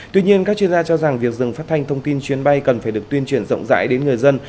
tuy nhiên các chuyên gia cho rằng việc dừng phát thanh thông tin chuyến bay cần phải được tuyên truyền rộng rãi đến người dân